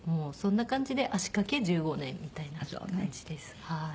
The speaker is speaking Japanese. そんな感じで足掛け１５年みたいな感じです。